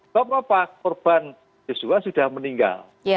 gapapa korban seksual sudah meninggal